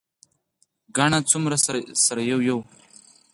ګڼه څومره سره یو یو.